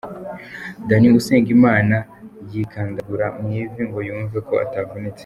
Danny Usengimana yikandagura mu ivi ngo yumve ko atavunitse.